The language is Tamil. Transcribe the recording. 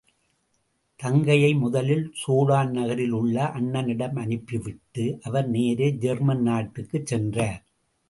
தங்கையை முதலில் சோடேன் நகரிலே உள்ள அண்ணனிடம் அனுப்பிவிட்டு, அவர் நேரே ஜெர்மன் நாட்டுக்குச் சென்றார்.